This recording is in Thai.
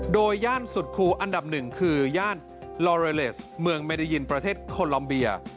โดยย่านสุดครูอันดับหนึ่งคือย่านลอเรเลสเมืองเมได้ยินประเทศโคลอมเบีย